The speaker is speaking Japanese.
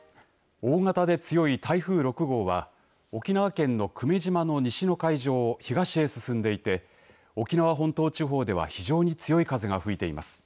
大型で強い台風６号は沖縄県の久米島の西の海上を東へ進んでいて沖縄本島地方では非常に強い風が吹いています。